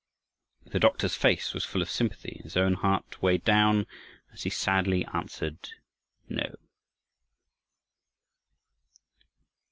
The doctor's face was full of sympathy and his own heart weighed down as he sadly answered, "No."